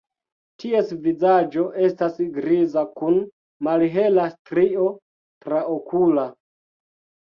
Ties vizaĝo estas griza kun malhela strio traokula.